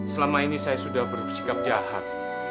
selama ini saya sudah bersikap jahat